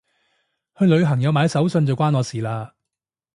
去旅行有買手信就關我事嘞